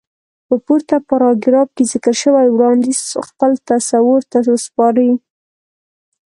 په پورته پاراګراف کې ذکر شوی وړانديز خپل تصور ته وسپارئ.